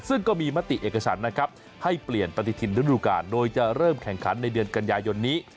ซึ่งก็มีมติเอกฉันนะครับให้เปลี่ยนปฏิทินฤดูกาลโดยจะเริ่มแข่งขันในเดือนกันยายนนี้